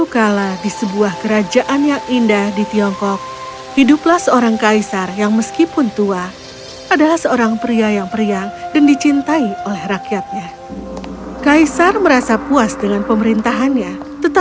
cerita dalam bahasa indonesia